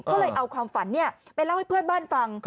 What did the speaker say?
เพราะเลยเอาความฝันเนี่ยไปเล่าให้เพื่อนบ้านฟัง